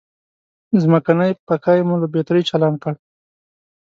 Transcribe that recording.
ځمکنی پکی مو له بترۍ چالان کړ.